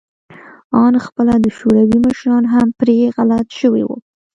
آن خپله د شوروي مشران هم پرې غلط شوي وو